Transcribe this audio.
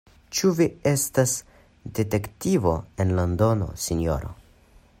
Ĉu vi estas detektivo el Londono, sinjoro?